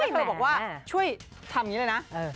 เธอบอกว่าช่วยทำอย่างนี้เลยนะ